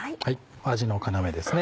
味の要ですね